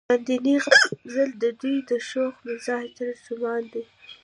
لاندينے غزل د دوي د شوخ مزاج ترجمان دے ۔